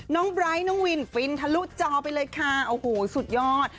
น้องไบร์ทน้องวินฟินทะลุเจาะไปเลยค่ะสุดยอด